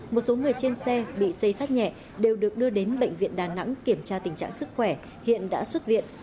một số người trên xe bị xây sát nhẹ đều được đưa đến bệnh viện đà nẵng kiểm tra tình trạng sức khỏe hiện đã xuất viện